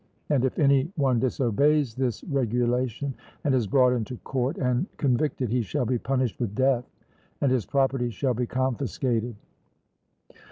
And if any one disobeys this regulation, and is brought into court and convicted, he shall be punished with death, and his property shall be confiscated.